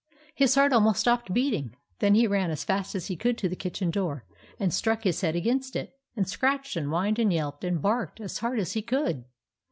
His heart almost stopped beating. Then he ran as fast as he could to the kitchen door and struck his head against it, and scratched and whined and yelped and barked as hard as he could.